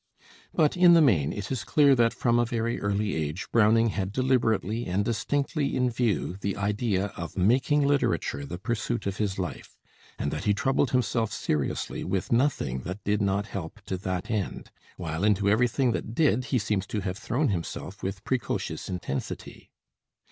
But in the main it is clear that from a very early age, Browning had deliberately and distinctly in view the idea of making literature the pursuit of his life, and that he troubled himself seriously with nothing that did not help to that end; while into everything that did he seems to have thrown himself with precocious intensity.